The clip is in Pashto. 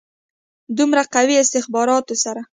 دومره قوي استخباراتو سره.